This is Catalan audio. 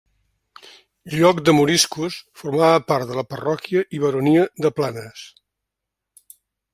Lloc de moriscos, formava part de la parròquia i baronia de Planes.